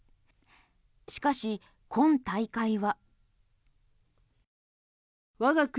しかし今大会は。